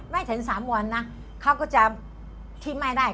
ไม่ถึง๓วันนะเขาก็จะที่ไม่ได้